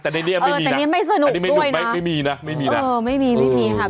อันนี้ไม่มีนะอันนี้ไม่สนุกด้วยนะไม่มีนะไม่มีนะเออไม่มีไม่มีค่ะ